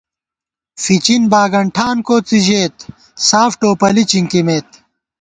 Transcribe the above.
فِچِن باگنٹھان کوڅی ژېت ساف ٹوپَلی چِنکِمېت